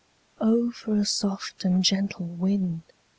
"O for a soft and gentle wind!"